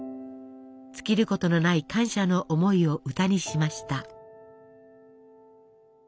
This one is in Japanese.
尽きることのない感謝の思いを歌にしました。